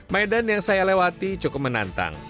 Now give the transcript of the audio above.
medan yang saya lewati cukup menantang